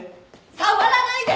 触らないで！